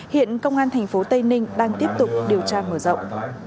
hiện công an thành phố tây ninh đang tiếp tục điều tra mở rộng